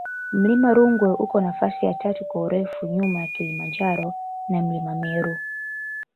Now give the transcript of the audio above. mlima rungwe uko nafasi ya tatu kwa urefu nyuma ya kilimanjaro na mlima meru